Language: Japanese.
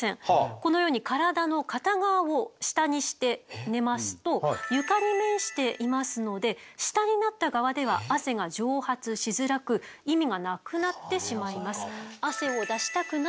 このように体の片側を下にして寝ますと床に面していますので下になった側では汗が蒸発しづらく意味がなくなってしまいます。